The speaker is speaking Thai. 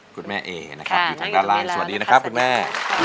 คุณแม่เอนะครับอยู่ทางด้านล่างสวัสดีนะครับคุณแม่